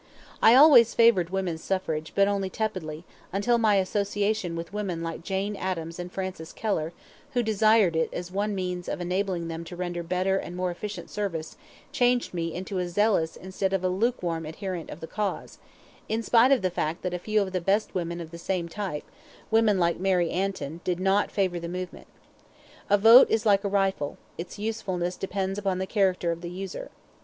I always favored woman's suffrage, but only tepidly, until my association with women like Jane Addams and Frances Kellor, who desired it as one means of enabling them to render better and more efficient service, changed me into a zealous instead of a lukewarm adherent of the cause in spite of the fact that a few of the best women of the same type, women like Mary Antin, did not favor the movement. A vote is like a rifle: its usefulness depends upon the character of the user.